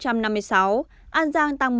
an giang tăng một trăm ba mươi chín